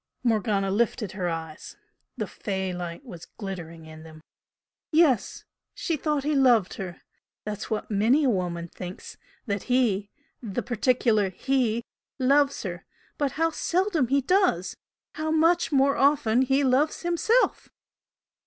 Morgana lifted her eyes. The "fey" light was glittering in them. "Yes! She thought he loved her! That's what many a woman thinks that 'he' the particular 'he' loves her! But how seldom he does! How much more often he loves himself!"